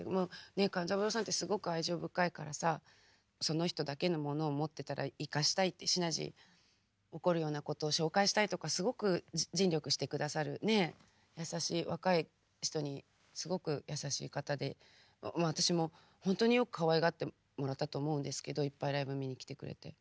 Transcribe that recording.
勘三郎さんってすごく愛情深いからさその人だけのものを持ってたら生かしたいってシナジー起こるようなことを紹介したいとかすごく尽力して下さるねえ優しい若い人にすごく優しい方でまあ私も本当によくかわいがってもらったと思うんですけどいっぱいライブ見に来てくれて。